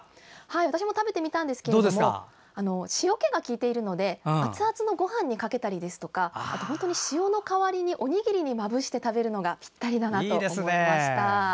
私も食べてみたんですけど塩けがきいているので熱々のご飯にかけたり塩の代わりにおにぎりにまぶして食べるのがぴったりだなと思いました。